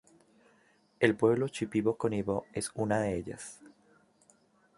El pueblo shipibo-konibo es una de ellas.